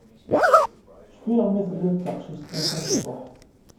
Cfiɣ mi telliḍ d taqcict kan tamecṭuḥt.